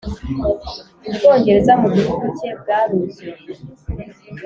ubwongereza mu gihu cye bwaruzuye;